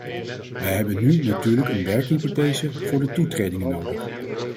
Wij hebben nu natuurlijk een werkhypothese voor de toetredingen nodig.